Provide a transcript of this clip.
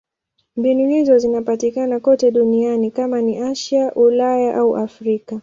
Mbinu hizo zinapatikana kote duniani: kama ni Asia, Ulaya au Afrika.